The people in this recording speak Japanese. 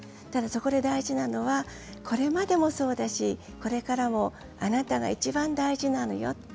ただ、そこで大事なのはこれまでもそうだしこれからもあなたがいちばん大事なのよ。